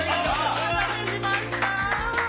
お待たせしました。